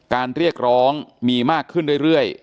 เรียกร้องมีมากขึ้นเรื่อย